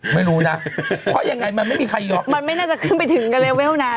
ไม่รู้นะเพราะยังไงมันไม่มีใครยอมมันไม่น่าจะขึ้นไปถึงกันเลยเวลนาน